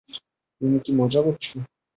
তুমি কি মজা করছো?